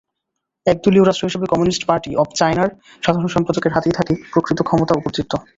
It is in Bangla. একদলীয় রাষ্ট্র হিসেবে কম্যুনিস্ট পার্টি অব চায়নার সাধারণ সম্পাদকের হাতেই থাকে প্রকৃত ক্ষমতা ও কর্তৃত্ব।